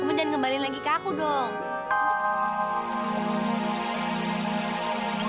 supaya dia ngembalin mamah aku yang udah dicuri